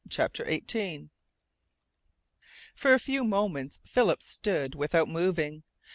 CHAPTER EIGHTEEN For a few moments Philip stood without moving.